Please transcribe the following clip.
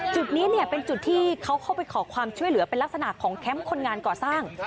จุดนี้เป็นจุดที่เขาเข้าไปขอความช่วยเหลือเป็นลักษณะของแคมป์คนงานก่อสร้าง